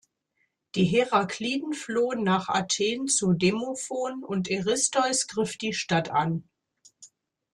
Die Herakliden flohen nach Athen zu Demophon und Eurystheus griff die Stadt an.